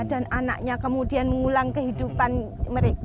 dan anaknya kemudian mengulang kehidupan mereka